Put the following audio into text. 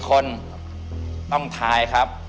คนต้องทายครับ